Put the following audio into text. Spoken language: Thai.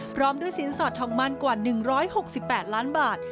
พร้อมด้วยสินสอดทองมั่นกว่า๑๖๘ล้านบาท